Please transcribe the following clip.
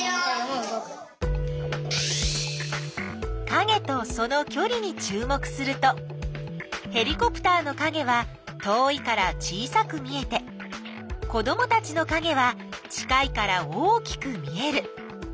かげとそのきょりにちゅう目するとヘリコプターのかげは遠いから小さく見えて子どもたちのかげは近いから大きく見える。